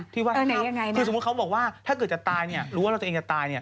ที่ว่าคือสมมุติเขาบอกว่าถ้าเกิดจะตายเนี่ยรู้ว่าเราตัวเองจะตายเนี่ย